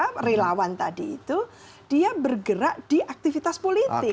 karena perlawan tadi itu dia bergerak di aktivitas politik